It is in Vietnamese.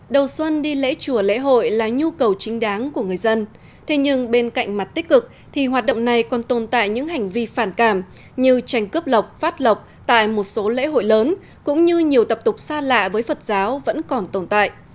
đầu xuân đi lễ chùa lễ hội là nhu cầu chính đáng của người dân thế nhưng bên cạnh mặt tích cực thì hoạt động này còn tồn tại những hành vi phản cảm như tranh cướp lọc phát lộc tại một số lễ hội lớn cũng như nhiều tập tục xa lạ với phật giáo vẫn còn tồn tại